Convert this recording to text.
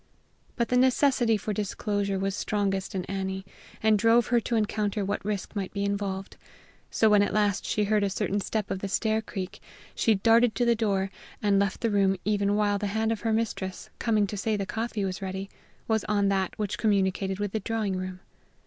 But the necessity for disclosure was strongest in Annie, and drove her to encounter what risk might be involved. So when at last she heard a certain step of the stair creak, she darted to the door, and left the room even while the hand of her mistress, coming to say the coffee was ready, was on that which communicated with the drawing room.